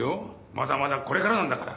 まだまだこれからなんだから。